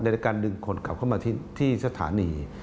ในการดึงคนขับเข้ามาที่สถานี